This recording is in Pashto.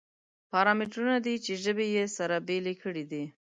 پارامترونه دي چې ژبې یې سره بېلې کړې دي.